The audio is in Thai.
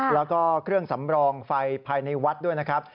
แล้วก็เครื่องสำรองไฟภายในวัดด้วยนะครับ